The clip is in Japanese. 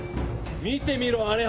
見てみろあれ！